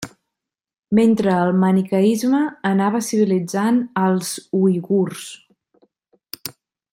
Mentre el maniqueisme anava civilitzant als uigurs.